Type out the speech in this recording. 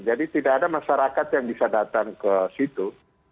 jadi tidak ada masyarakat yang bisa datang ke situ